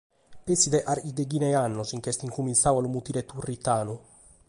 Petzi dae carchi deghina de annos si nche est incumintzadu a lu mutire turritanu.